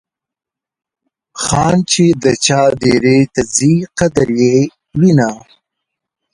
خان چې د چا دیرې ته ځي قدر یې وینه.